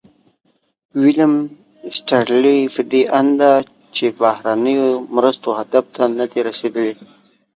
ویلیم ایسټیرلي په دې اند دی چې بهرنیو مرستو هدف ته نه دي رسیدلي.